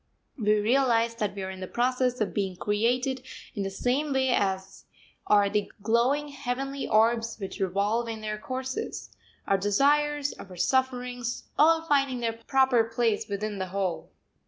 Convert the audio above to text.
We realise that we are in the process of being created in the same way as are the glowing heavenly orbs which revolve in their courses, our desires, our sufferings, all finding their proper place within the whole.